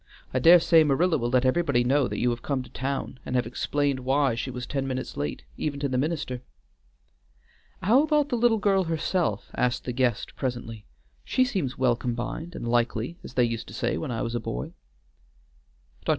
I dare say Marilla will let everybody know that you have come to town, and have explained why she was ten minutes late, even to the minister." "How about the little girl herself?" asked the guest presently; "she seems well combined, and likely, as they used to say when I was a boy." Dr.